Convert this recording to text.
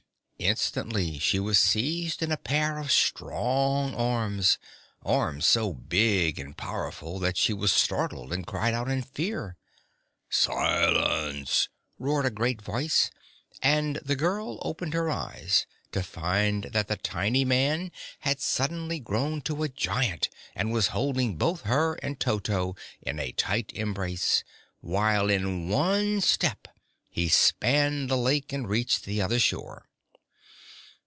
Instantly she was seized in a pair of strong arms arms so big and powerful that she was startled and cried out in fear. "Silence!" roared a great voice, and the girl opened her eyes to find that the tiny man had suddenly grown to a giant and was holding both her and Toto in a tight embrace while in one step he spanned the lake and reached the other shore.